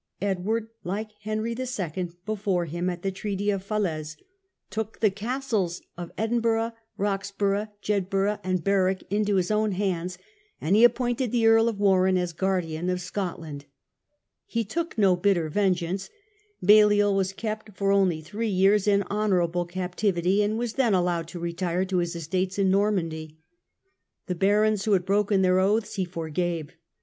Edward, like Henry II. before him at the Treaty of Falaise, took the castles of EDWARD AND THE CHURCH 93 EdinbuFgh, Roxburgh, Jedburgh, and Berwick into his own hands; and he appointed the Earl of Warenne as guardian of Scotland. He took no bitter vengeance. Balliol was kept for only three years in honourable cap tivity, and was then allowed to retire to his estates in Normandy. The barons who had broken their oaths he forgave.